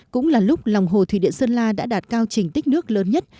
cũng là lúc lòng hồ thủy điện sơn la đã đạt cao trình tích nước lớn nhất